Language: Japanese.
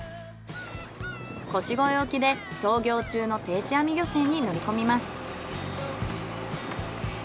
腰越沖で操業中の定置網漁船に乗り込みます。